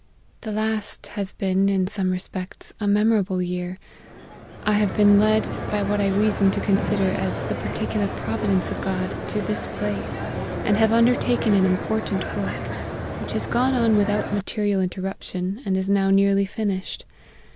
" The last has been, in some respects, a memora ble year. I have been led, by what I have reason to consider as the particular providence of God, to this place, and have undertaken an important work, which has gone on without material interruption, and is now nearly finished.